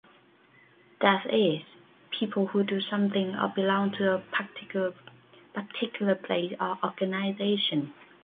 That is, people who do something or belong to a particular place or organisation.